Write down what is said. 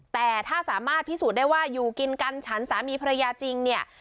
แต่ถ้าสามารถพิสูจน์ได้ว่าอยู่กินกันฉันสามีภรรยาจริงเนี่ย